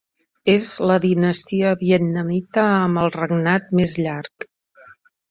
És la dinastia Vietnamita amb el regnat més llarg.